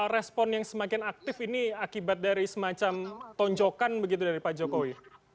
respon yang semakin aktif ini akibat dari semacam tonjokan begitu dari pak jokowi